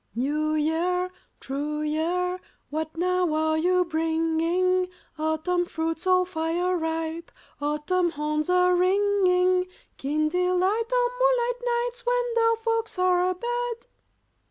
"New year, true year, What now are you bringing? Autumn fruits all fire ripe, Autumn horns a ringing? Keen delight o' moonlight nights, When dull folks are abed?"